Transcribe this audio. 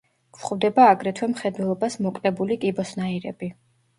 გვხვდება აგრეთვე მხედველობას მოკლებული კიბოსნაირები.